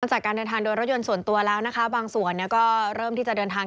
จากการเดินทางโดยรถยนต์ส่วนตัวแล้วนะคะบางส่วนเนี่ยก็เริ่มที่จะเดินทาง